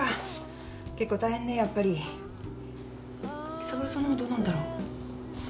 紀三郎さんのほうどうなんだろう？